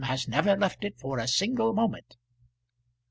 has never left it for a single moment."